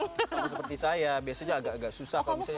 tapi seperti saya biasanya agak agak susah kalau misalnya